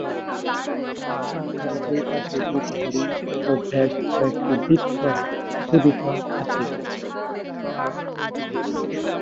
চাকার দুইপাশে দুইটি হরিণ ও বেশ কয়েকটি বৃত্ত খোদিত আছে।